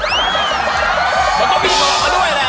มันก็มีเบาะมาด้วยแหละ